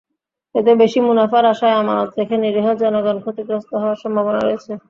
এতে বেশি মুনাফার আশায় আমানত রেখে নিরীহ জনগণ ক্ষতিগ্রস্ত হওয়ার সম্ভাবনা রয়েছে।